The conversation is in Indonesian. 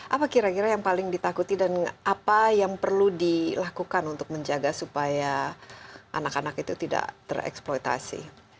apa kira kira yang paling ditakuti dan apa yang perlu dilakukan untuk menjaga supaya anak anak itu tidak tereksploitasi